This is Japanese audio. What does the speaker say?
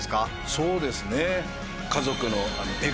そうですね。